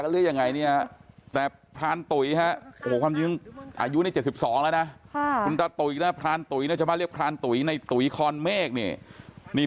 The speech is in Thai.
ลุงเดี่ยวแบบกับจราเข้เลยหรือจะไม่กล้ากันหรืออย่างไรนี่